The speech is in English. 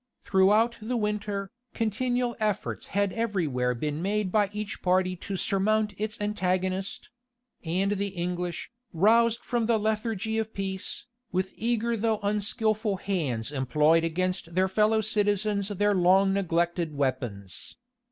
Throughout the winter, continual efforts had every where been made by each party to surmount its antagonist; and the English, roused from the lethargy of peace, with eager though unskilful hands employed against their fellow citizens their long neglected weapons.